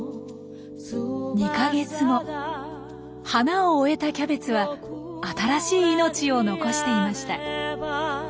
花を終えたキャベツは新しい命を残していました。